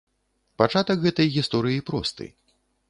Пачатак гэтай гісторыі просты.